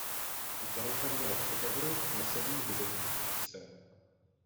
Opereta měla předehru a sedm hudebních čísel.